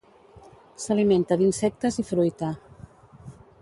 S'alimenta d'insectes i fruita.